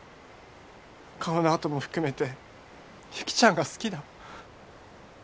顔の痕も含めて雪ちゃんが好きだ。